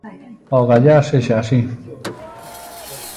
Ogallá sexa así...